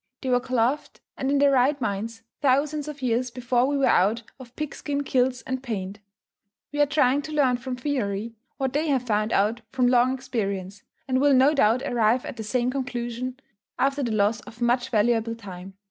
They were clothed, and in their right minds, thousands of years before we were out of pig skin kilts and paint. We are trying to learn from theory what they have found out from long experience, and will no doubt arrive at the same conclusions after the loss of much valuable time.